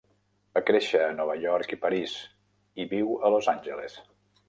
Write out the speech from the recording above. Va créixer a Nova York i París, i viu a Los Angeles.